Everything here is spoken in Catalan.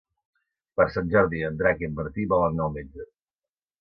Per Sant Jordi en Drac i en Martí volen anar al metge.